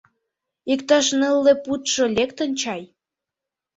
Иктаж нылле пудшо лектын чай.